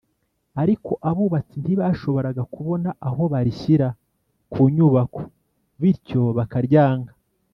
ariko abubatsi ntibashoboraga kubona aho barishyira ku nyubako bityo bakaryanga